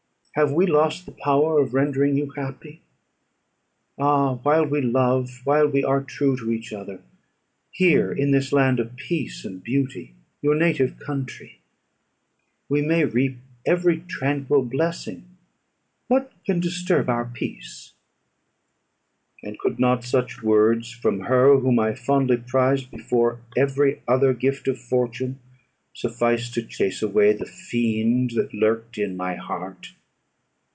Have we lost the power of rendering you happy? Ah! while we love while we are true to each other, here in this land of peace and beauty, your native country, we may reap every tranquil blessing, what can disturb our peace?" And could not such words from her whom I fondly prized before every other gift of fortune, suffice to chase away the fiend that lurked in my heart?